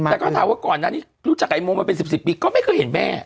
แต่ก็ถามว่าก่อนหน้านี้รู้จักไอ้โมมาเป็น๑๐ปีก็ไม่เคยเห็นแม่